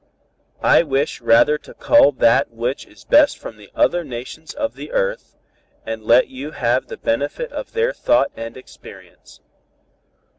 I wish rather to cull that which is best from the other nations of the earth, and let you have the benefit of their thought and experience.